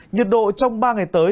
nhiệt độ trong ba ngày tới